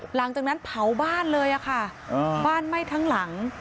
หลังจากนั้นเผาบ้านเลยค่ะบ้านไหม้ทั้งหลัง